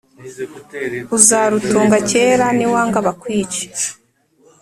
uzarutunga kera niwanga bakwice